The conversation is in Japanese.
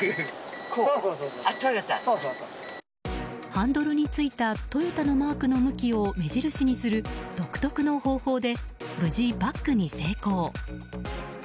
ハンドルについたトヨタのマークの向きを目印にする独特の方法で無事、バックに成功。